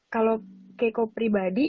kalau keiko pribadi